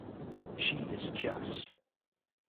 She is just.